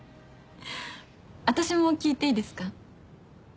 私も聞いていいですか？